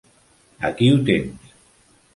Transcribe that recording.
Aquí ho tens!